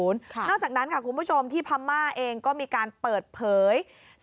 นอกจากนั้นค่ะคุณผู้ชมที่พม่าเองก็มีการเปิดเผย